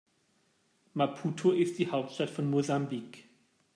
Maputo ist die Hauptstadt von Mosambik.